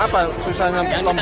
apa susahnya lomba